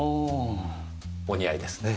お似合いですね。